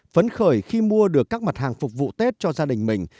phấn khởi khi mua được các mặt hàng phục vụ tết cho gia đình mình